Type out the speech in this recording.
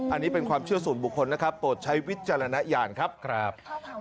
อันนี้เป็นความเชื่อส่วนบุคคลนะครับโปรดใช้วิจารณญาณครับครับ